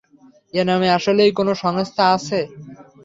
এ নামে আসলেই কোনও সংস্থা আছে?